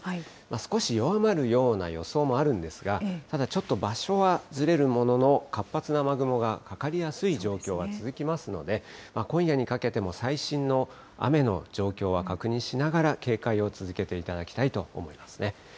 少し弱まるような予想もあるんですが、ただちょっと場所はずれるものの、活発な雨雲がかかりやすい状況は続きますので、今夜にかけても最新の雨の状況は確認しながら、警戒を続けていただきたいと思いますね。